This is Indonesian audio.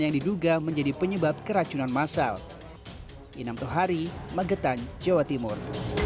yang diduga menjadi penyebab keracunan massal di enam thari magetan jawa timur